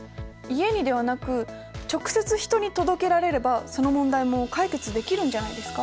家にではなく直接人に届けられればその問題も解決できるんじゃないですか？